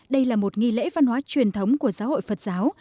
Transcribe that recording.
đây là một nghi lễ văn hóa truyền thống của giáo hội phật giáo